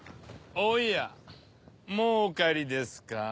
・おやもうお帰りですか？